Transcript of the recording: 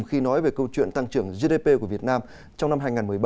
khi nói về câu chuyện tăng trưởng gdp của việt nam trong năm hai nghìn một mươi bảy